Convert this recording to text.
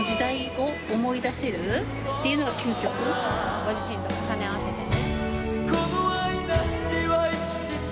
ご自身と重ね合わせてね。